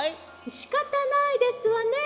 「しかたないですわね。